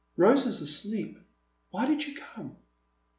Rose is asleep. Why did you come